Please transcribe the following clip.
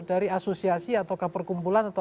dari asosiasi atau keperkumpulan